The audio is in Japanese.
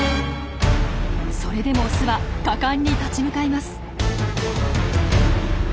それでもオスは果敢に立ち向かいます。